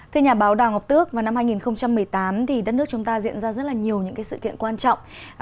thưa nhà báo đào ngọc tước vào năm hai nghìn một mươi tám thì đất nước chúng ta diễn ra rất là nhiều những sự kiện quan trọng